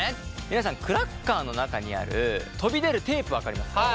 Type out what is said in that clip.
皆さんクラッカーの中にある飛び出るテープ分かりますか？